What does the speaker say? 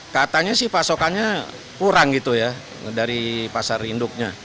katanya sih pasokannya kurang gitu ya dari pasar induknya